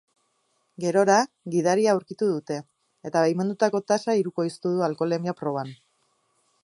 Gerora, gidaria aurkitu dute, eta baimendutako tasa hirukoiztu du alkoholemia proban.